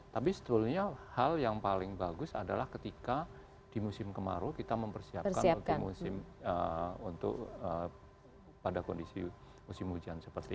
tapi sebetulnya hal yang paling bagus adalah ketika di musim kemarau kita mempersiapkan untuk pada kondisi musim hujan seperti ini